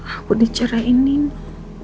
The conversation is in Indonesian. aku dicerahin nino